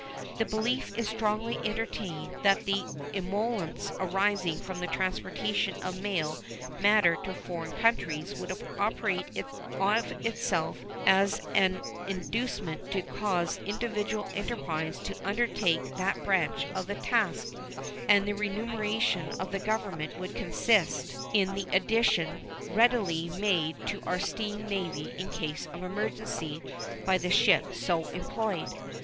The belief is strongly entertained that the emoluments arising from the transportation of mail matter to foreign countries would operate of itself as an inducement to cause individual enterprise to undertake that branch of the task, and the remuneration of the Government would consist in the addition readily made to our steam navy in case of emergency by the ships so employed.